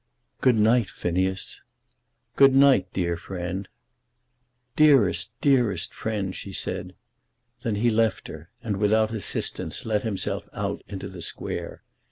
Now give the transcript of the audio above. "Good night, Phineas." "Good night, dear friend." "Dearest, dearest friend," she said. Then he left her, and without assistance, let himself out into the square.